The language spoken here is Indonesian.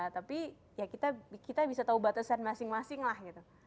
tapi ya kita bisa tahu batasan masing masing lah gitu